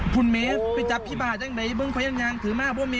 ไปดูเลยครับ